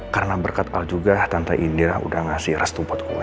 karena berkat al juga tante indira udah ngasih restu buat gue